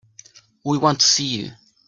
We want to see you.